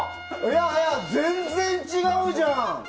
いや、全然違うじゃん！